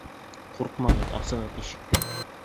— Ҡурҡмағыҙ, асығыҙ ишекте!